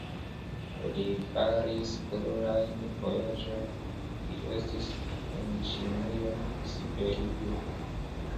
Li faris plurajn vojaĝojn, li estis en Ĉinujo, Siberio.